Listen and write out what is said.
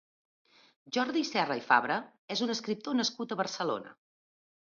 Jordi Sierra i Fabra és un escriptor nascut a Barcelona.